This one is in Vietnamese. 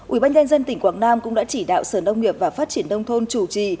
ubnd tỉnh quảng nam cũng đã chỉ đạo sở nông nghiệp và phát triển đông thôn chủ trì